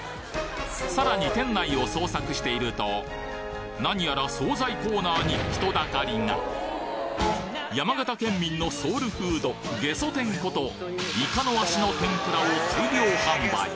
さらに店内を捜索しているとなにやら惣菜コーナーに人だかりが山形県民のソウルフードゲソ天ことイカの足の天ぷらを大量販売！